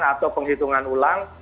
atau penghitungan ulang